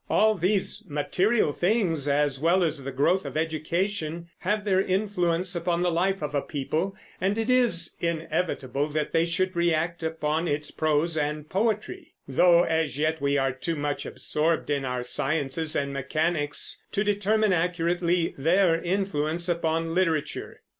All these material things, as well as the growth of education, have their influence upon the life of a people, and it is inevitable that they should react upon its prose and poetry; though as yet we are too much absorbed in our sciences and mechanics to determine accurately their influence upon literature.